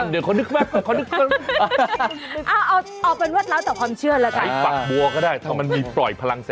เอาฝักบัวแทนก็ได้ค่ะ